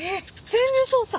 潜入捜査！？